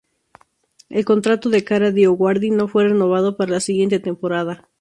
El contrato de Kara DioGuardi no fue renovado para la siguiente temporada.